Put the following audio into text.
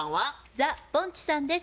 ザ・ぼんちさんです。